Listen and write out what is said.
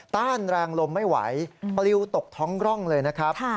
ต้านแรงลมไม่ไหวปลิวตกท้องร่องเลยนะครับ